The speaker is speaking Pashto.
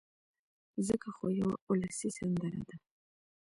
ځکه خو يوه اولسي سندره ده